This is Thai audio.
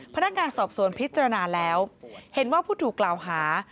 พนักงานสอบสวนพิจารณาแล้วเห็นว่าผู้ถูกกล่าวหา